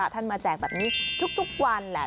ท่านมาแจกแบบนี้ทุกวันแหละ